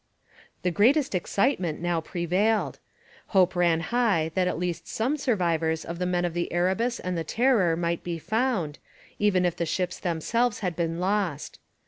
The greatest excitement now prevailed. Hope ran high that at least some survivors of the men of the Erebus and the Terror might be found, even if the ships themselves had been lost.